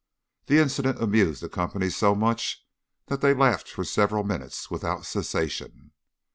This incident amused the company so much that they laughed for several minutes without cessation.